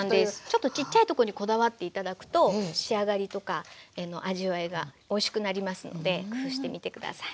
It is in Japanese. ちょっとちっちゃいとこにこだわって頂くと仕上がりとか味わいがおいしくなりますので工夫してみて下さい。